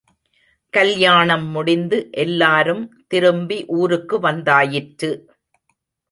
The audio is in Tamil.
கல்யாணம் முடிந்து எல்லாரும் திரும்பி ஊருக்கு வந்தாயிற்று.